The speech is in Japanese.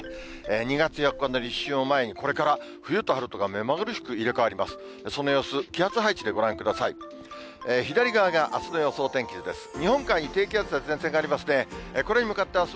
２月４日の立春を前に、これから冬と春とが目まぐるしく入れ代わります。